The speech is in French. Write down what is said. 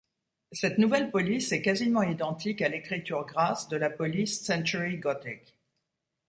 Cette nouvelle police est quasiment identique à l'écriture grasse de la police Century Gothic.